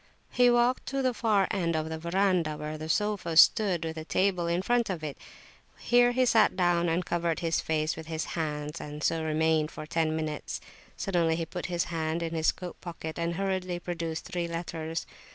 He walked to the far end of the verandah, where the sofa stood, with a table in front of it. Here he sat down and covered his face with his hands, and so remained for ten minutes. Suddenly he put his hand in his coat pocket and hurriedly produced three letters.